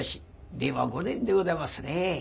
令和５年でございますね。